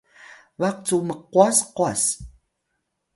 baq cu mqwas qwas